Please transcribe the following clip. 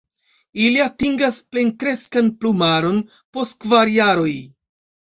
Ili atingas plenkreskan plumaron post kvar jaroj.